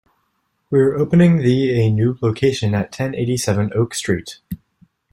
We are opening the a new location at ten eighty-seven Oak Street.